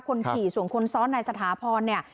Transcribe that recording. คนผิส่วนคนซ้อนนายสถาพร